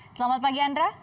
selamat pagi andra